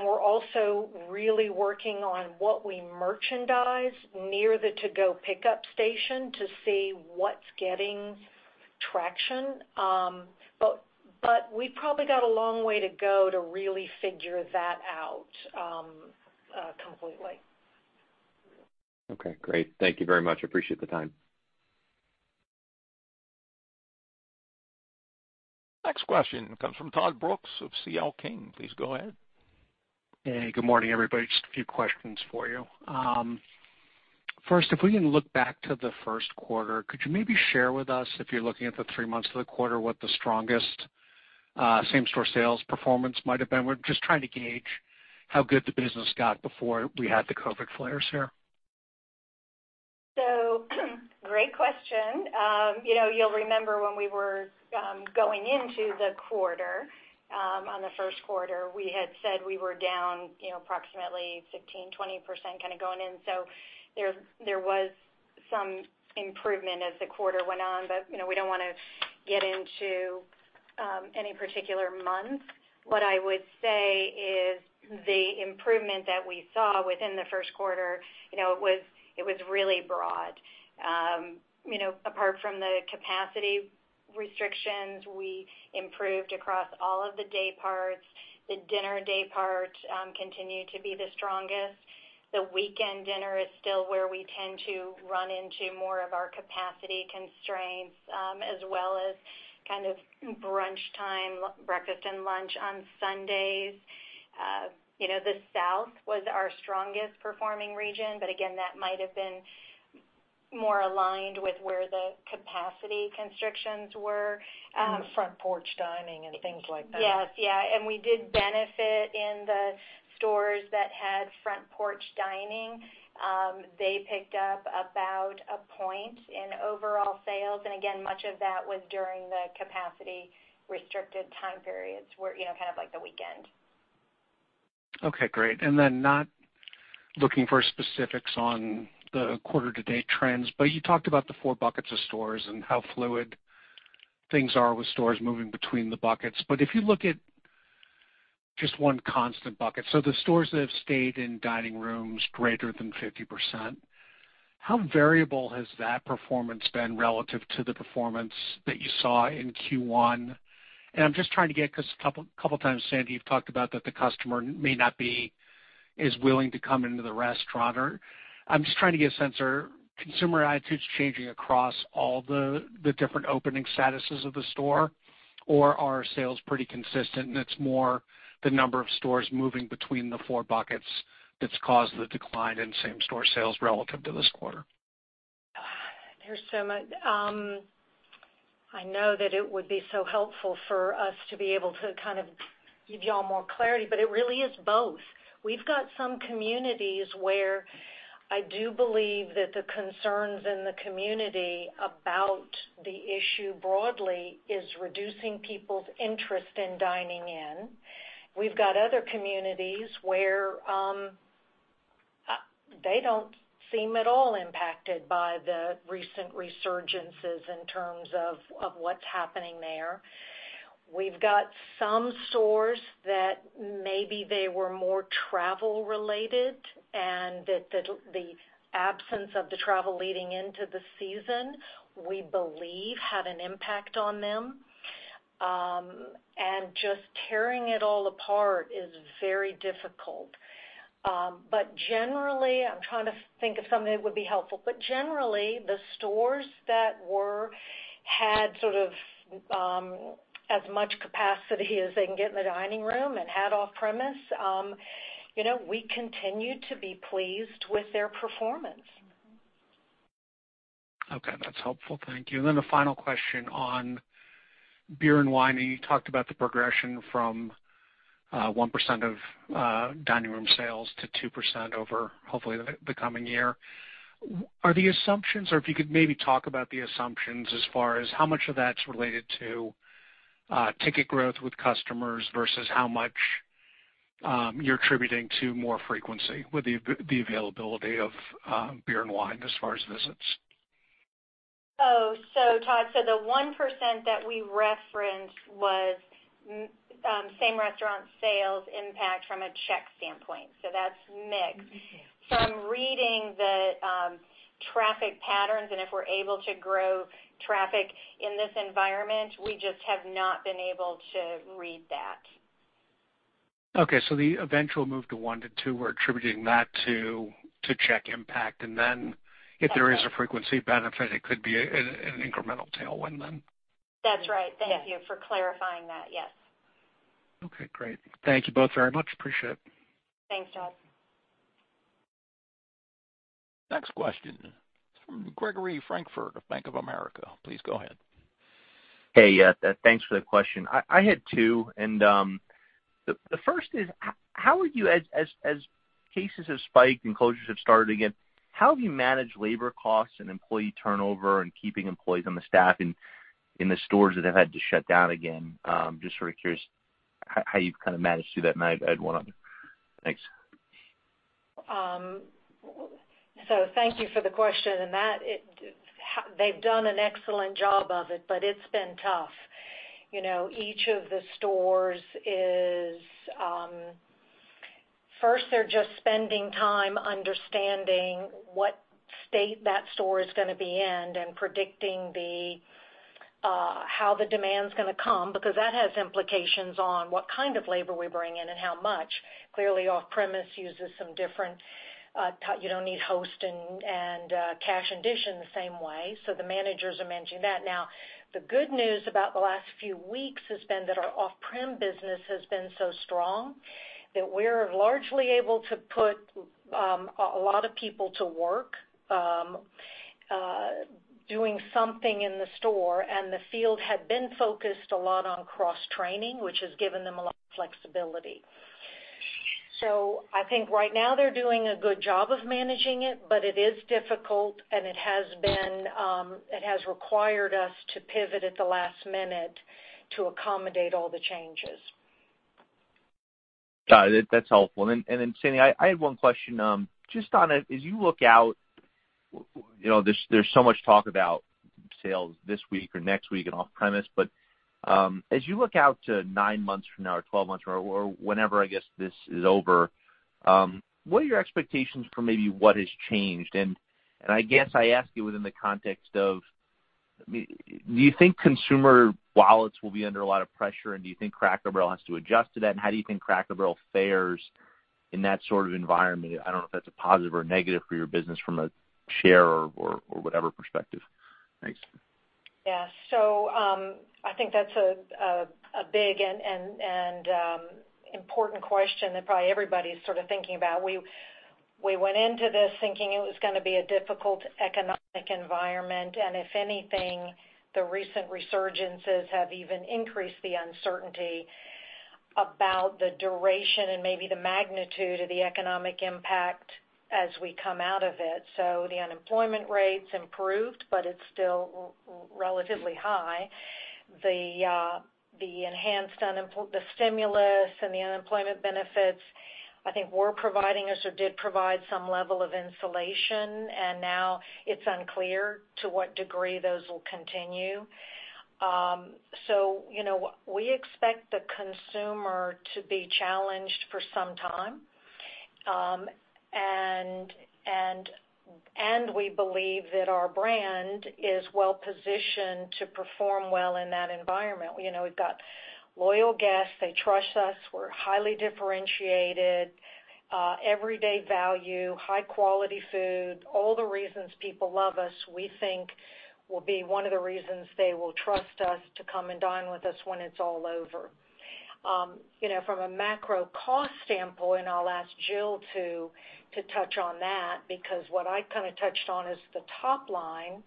We're also really working on what we merchandise near the to-go pickup station to see what's getting traction. We probably got a long way to go to really figure that out completely. Okay, great. Thank you very much. Appreciate the time. Next question comes from Todd Brooks of CL King. Please go ahead. Hey, good morning, everybody. Just a few questions for you. First, if we can look back to the first quarter, could you maybe share with us, if you're looking at the three months of the quarter, what the strongest same-store sales performance might have been? We're just trying to gauge how good the business got before we had the COVID flares here. Great question. You'll remember when we were going into the quarter, on the first quarter, we had said we were down approximately 15%-20% going in. There was some improvement as the quarter went on. We don't want to get into any particular month. What I would say is the improvement that we saw within the first quarter, it was really broad. Apart from the capacity restrictions, we improved across all of the day parts. The dinner day part continued to be the strongest. The weekend dinner is still where we tend to run into more of our capacity constraints, as well as brunch time, breakfast and lunch on Sundays. The South was our strongest performing region, but again, that might have been more aligned with where the capacity constrictions were. Front porch dining and things like that. Yes. We did benefit in the stores that had front porch dining. They picked up about a point in overall sales. Again, much of that was during the capacity-restricted time periods, kind of like the weekend. Okay, great. Not looking for specifics on the quarter-to-date trends, but you talked about the four buckets of stores and how fluid things are with stores moving between the buckets. If you look at just one constant bucket, so the stores that have stayed in dining rooms greater than 50%, how variable has that performance been relative to the performance that you saw in Q1? I'm just trying to get, because a couple times, Sandy, you've talked about that the customer may not be as willing to come into the restaurant. I'm just trying to get a sense, are consumer attitudes changing across all the different opening statuses of the store, or are sales pretty consistent and it's more the number of stores moving between the four buckets that's caused the decline in same store sales relative to this quarter? There's so much. I know that it would be so helpful for us to be able to give you all more clarity, but it really is both. We've got some communities where I do believe that the concerns in the community about the issue broadly is reducing people's interest in dining in. We've got other communities where they don't seem at all impacted by the recent resurgences in terms of what's happening there. We've got some stores that maybe they were more travel related, and that the absence of the travel leading into the season, we believe, had an impact on them. Just tearing it all apart is very difficult. Generally, I'm trying to think of something that would be helpful. Generally, the stores that had sort of as much capacity as they can get in the dining room and had off-premise, we continue to be pleased with their performance. Okay. That's helpful. Thank you. A final question on beer and wine. You talked about the progression from 1% of dining room sales to 2% over, hopefully, the coming year. Are the assumptions, or if you could maybe talk about the assumptions as far as how much of that's related to ticket growth with customers versus how much you're attributing to more frequency with the availability of beer and wine as far as visits. Todd, the 1% that we referenced was same restaurant sales impact from a check standpoint. That's mix. I'm reading the traffic patterns, and if we're able to grow traffic in this environment, we just have not been able to read that. Okay. The eventual move to 1%-2%, we're attributing that to check impact, and then if there is a frequency benefit, it could be an incremental tailwind then. That's right. Thank you for clarifying that. Yes. Okay, great. Thank you both very much. Appreciate it. Thanks, Todd. Next question from Gregory Francfort of Bank of America. Please go ahead. Hey, thanks for the question. I had two, and the first is, as cases have spiked and closures have started again, how have you managed labor costs and employee turnover and keeping employees on the staff in the stores that have had to shut down again? Just sort of curious how you've kind of managed through that. I had one other. Thanks. Thank you for the question. They've done an excellent job of it, but it's been tough. Each of the stores is, first they're just spending time understanding what state that store is going to be in and predicting how the demand's going to come, because that has implications on what kind of labor we bring in and how much. Clearly, off-premise uses some different-- You don't need host and cash and dish in the same way. The managers are managing that now. The good news about the last few weeks has been that our off-prem business has been so strong that we're largely able to put a lot of people to work doing something in the store, and the field had been focused a lot on cross-training, which has given them a lot of flexibility. I think right now they're doing a good job of managing it, but it is difficult, and it has required us to pivot at the last minute to accommodate all the changes. Got it. That's helpful. Then Sandy, I had one question. As you look out, there's so much talk about sales this week or next week in off-premise. As you look out to nine months from now or 12 months from now or whenever, I guess, this is over, what are your expectations for maybe what has changed? I guess I ask you within the context of, do you think consumer wallets will be under a lot of pressure, and do you think Cracker Barrel has to adjust to that, and how do you think Cracker Barrel fares in that sort of environment? I don't know if that's a positive or a negative for your business from a share or whatever perspective. Thanks. Yeah. I think that's a big and important question that probably everybody's sort of thinking about. We went into this thinking it was going to be a difficult economic environment, and if anything, the recent resurgences have even increased the uncertainty about the duration and maybe the magnitude of the economic impact as we come out of it. The unemployment rate's improved, but it's still relatively high. The stimulus and the unemployment benefits, I think, were providing us or did provide some level of insulation, and now it's unclear to what degree those will continue. We expect the consumer to be challenged for some time. We believe that our brand is well-positioned to perform well in that environment. We've got loyal guests. They trust us. We're highly differentiated, everyday value, high-quality food. All the reasons people love us, we think, will be one of the reasons they will trust us to come and dine with us when it's all over. From a macro cost standpoint, I'll ask Jill to touch on that because what I kind of touched on is the top line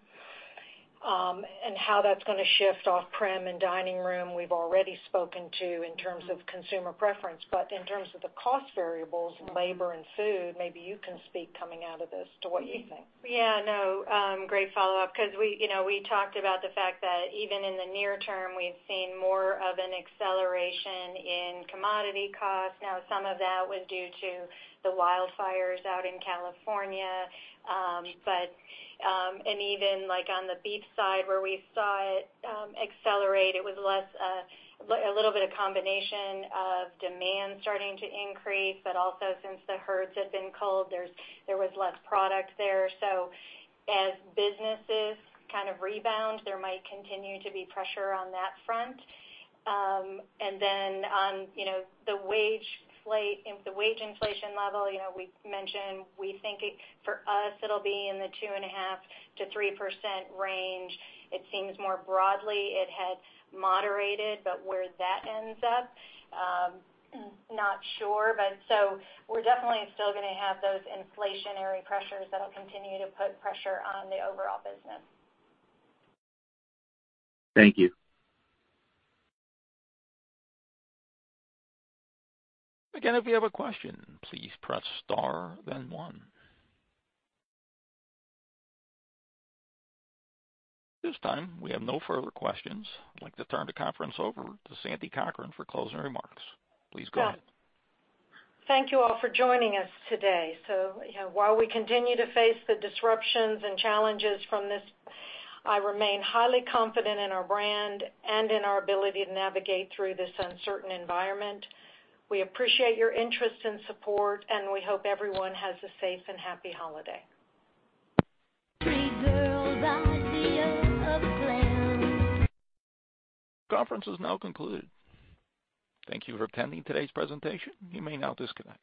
and how that's going to shift off-prem and dining room, we've already spoken to in terms of consumer preference. In terms of the cost variables, labor and food, maybe you can speak coming out of this to what you think. Yeah, no, great follow-up because we talked about the fact that even in the near term, we've seen more of an acceleration in commodity costs. Now some of that were due to the wildfires out in California. Even on the beef side, where we saw it accelerate, it was a little bit of combination of demand starting to increase. Also since the herds had been culled, there was less product there. As businesses kind of rebound, there might continue to be pressure on that front. Then on the wage inflation level, we mentioned we think for us it'll be in the 2.5%-3% range. It seems more broadly it had moderated, but where that ends up, not sure. We're definitely still going to have those inflationary pressures that'll continue to put pressure on the overall business. Thank you. Again, if you have a question, please press star then one. At this time, we have no further questions. I'd like to turn the conference over to Sandy Cochran for closing remarks. Please go ahead. Thank you all for joining us today. While we continue to face the disruptions and challenges from this, I remain highly confident in our brand and in our ability to navigate through this uncertain environment. We appreciate your interest and support, and we hope everyone has a safe and happy holiday. Conference is now concluded. Thank you for attending today's presentation. You may now disconnect.